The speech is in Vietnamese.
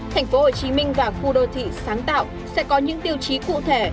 tp hcm và khu đô thị sáng tạo sẽ có những tiêu chí cụ thể